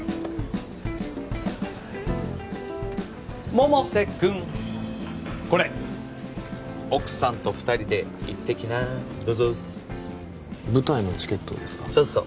百瀬君これ奥さんと二人で行ってきなどうぞ舞台のチケットですかそうそう